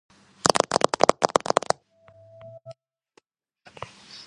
ქიმიური და მინერალური შედგენილობით ბაზალტის მსგავსია.